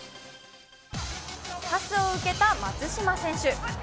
パスを受けた松島選手。